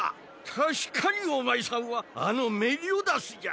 確かにお前さんはあのメリオダスじゃ。